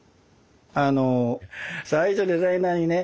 あの最初デザイナーにね